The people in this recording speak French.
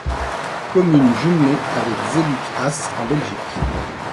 Commune jumelée avec Zellik-Asse en Belgique.